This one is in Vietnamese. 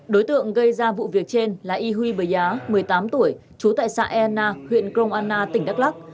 đối tượng gây ra vụ việc trên là y huy bờ giá một mươi tám tuổi chú tại xã e na huyện công an na tỉnh đắk lắc